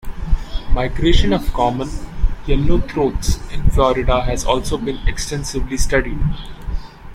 Migration of common yellowthroats in Florida has also been extensively studied.